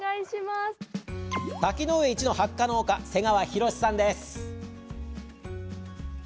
滝上一のハッカ農家の瀬川博さんです。